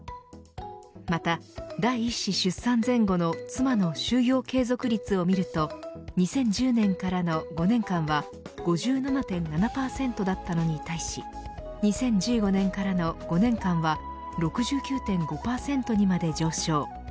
また、第１子出産前後の妻の就業継続率を見ると２０１０年からの５年間は５７．７％だったのに対し２０１５年からの５年間は６９．５％にまで上昇。